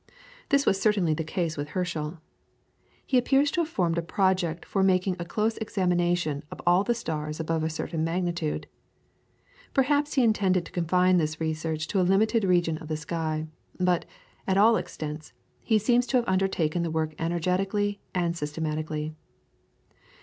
This was certainly the case with Herschel. He appears to have formed a project for making a close examination of all the stars above a certain magnitude. Perhaps he intended to confine this research to a limited region of the sky, but, at all events, he seems to have undertaken the work energetically and systematically.